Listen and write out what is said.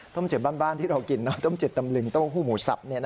ต้มจืดบ้านที่เรากินน่ะต้มจืดตำลึงโต้ผู้หมูสับนี่นะฮะ